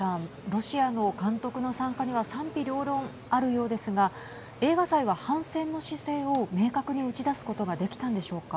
ロシアの監督の参加には賛否両論あるようですが映画祭は反戦の姿勢を明確に打ち出すことができたんでしょうか。